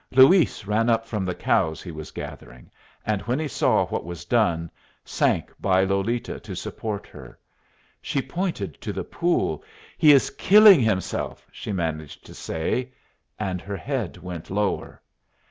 Luis ran up from the cows he was gathering, and when he saw what was done, sank by Lolita to support her. She pointed to the pool. "He is killing himself!" she managed to say, and her head went lower.